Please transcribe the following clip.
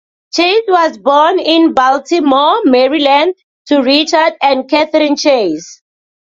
Chase was born in Baltimore, Maryland, to Richard and Catherine Chase.